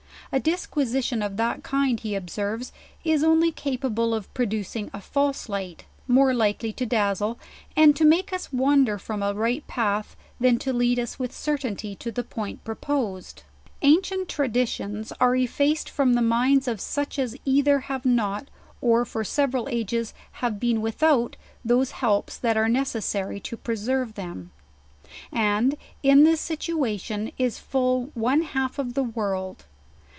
A disquisi tion of that kind he observes, is only capable of producing a false light, more likely to dazzle, and to make us wander from a right path, than to lead us with certainty to the point proposed. Ancie.it traditions are effaced from the minds of such as either have not, or for several ages have been without those helps, that are necessary to preserve them. And in this sit uation is full one half of the world.